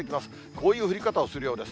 こういう降り方をするようです。